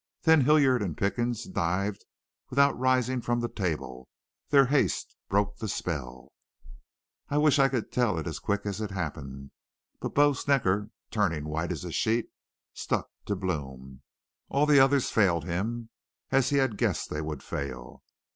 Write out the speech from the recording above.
Then Hilliard and Pickens dived without rising from the table. Their haste broke the spell. "I wish I could tell it as quick as it happened. But Bo Snecker, turning white as a sheet, stuck to Blome. All the others failed him, as he had guessed they would fail.